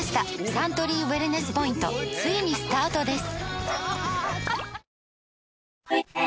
サントリーウエルネスポイントついにスタートです！